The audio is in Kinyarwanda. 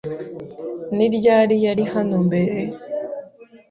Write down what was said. Ni ryari yari hano mbere?